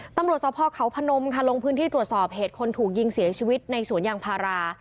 ตำรวจสภเขาพนมค่ะลงพื้นที่ตรวจสอบเหตุคนถูกยิงเสียชีวิตในสวนยางพารา